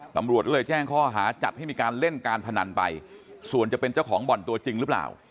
ตำรวจก็เลยแจ้งข้อหาจัดให้มีการเล่นการพนันไปส่วนจะเป็นเจ้าของบ่อนตัวจริงหรือเปล่า